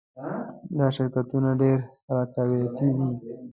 دا شرکتونه ډېر رقابتي دي